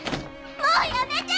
もうやめて！